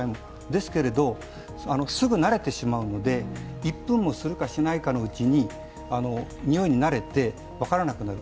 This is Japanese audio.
ですけれど、すぐ慣れてしまうので１分もするか、しないかのうちに臭いに慣れて分からなくなる。